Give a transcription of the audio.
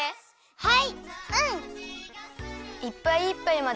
はい！